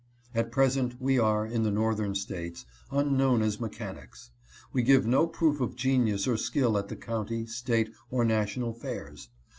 At present we are, in the northern States, unknown as mechanics. We give no proof of genius or skill at the county, State, or national fairs.